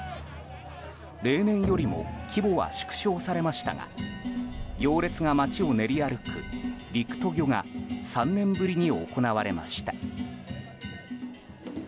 例年よりも規模は縮小されましたが行列が街を練り歩く陸渡御が３年ぶりに行われました。